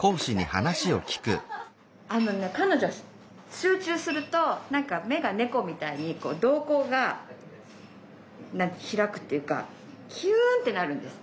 彼女は集中すると何か目が猫みたいに瞳孔が開くっていうかキューンってなるんです。